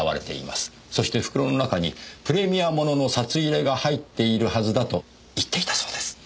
そして袋の中にプレミア物の札入れが入っているはずだと言っていたそうです。